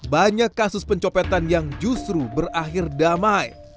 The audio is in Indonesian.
banyak kasus pencopetan yang justru berakhir damai